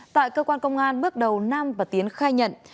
tại cơ quan công an bước đầu nam và tiến khai nhận